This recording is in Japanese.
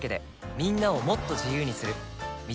みんなをもっと自由にする「三菱冷蔵庫」